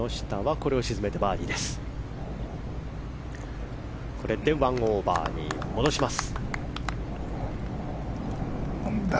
これで１オーバーに戻します。